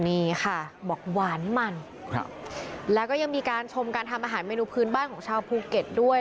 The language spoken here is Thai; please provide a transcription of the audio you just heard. นี่ค่ะบอกหวานมันครับแล้วก็ยังมีการชมการทำอาหารเมนูพื้นบ้านของชาวภูเก็ตด้วย